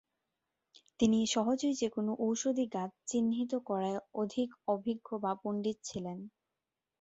তিনি সহজেই যেকোনো ঔষধি গাছ চিহ্নিত করায় অধিক অভিজ্ঞ বা পণ্ডিত ছিলেন।